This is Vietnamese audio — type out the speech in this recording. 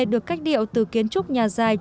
được cách điệu từ kiến trúc nhà dạng